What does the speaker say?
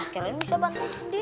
kira kira ini bisa bantuin sendiri